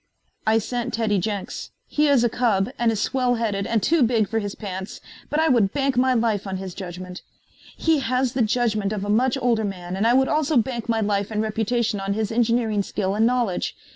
"I sent Teddy Jenks. He is a cub and is swell headed and too big for his pants, but I would bank my life on his judgment. He has the judgment of a much older man and I would also bank my life and reputation on his engineering skill and knowledge.